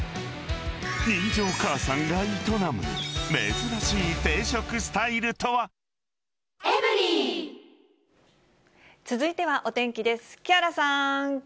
人情母さんが営む珍しい定食続いてはお天気です。